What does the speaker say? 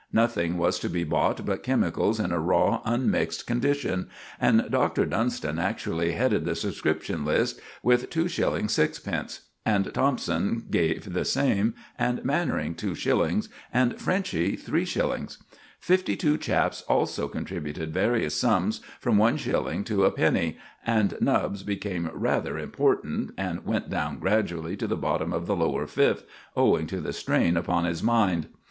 Nothing was to be bought but chemicals in a raw, unmixed condition, and Doctor Dunston actually headed the subscription list with 2_s._ 6_d._; and Thompson gave the same, and Mannering 2_s._, and "Frenchy" 3_s._ Fifty two chaps also contributed various sums from 1_s._ to 1_d._; and Nubbs became rather important, and went down gradually to the bottom of the Lower Fifth owing to the strain upon his mind.